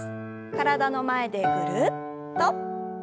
体の前でぐるっと。